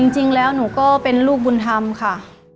จริงแล้วหนูก็เป็นลูกบุญธรรมค่ะ